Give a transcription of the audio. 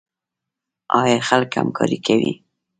آیا خلک همکاري کوي؟